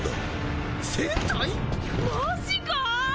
マぁジか？